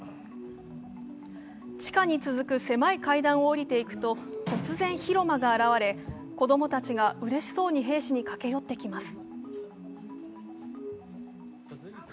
地下に続く狭い階段を下りていくと、突然、広間が現れ子供たちがうれしそうに兵士に駆け寄ってきます。